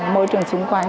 môi trường xung quanh